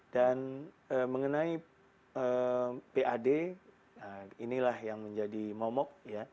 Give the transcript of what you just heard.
dan mengenai pad inilah yang menjadi momok